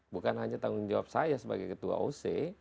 bukan hanya tanggung jawab saya sebagai ketua oc